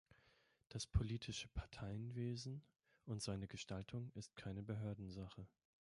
Das politische Parteienwesen und seine Gestaltung ist keine Behördensache.